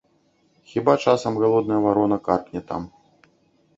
Хіба часам галодная варона каркне там.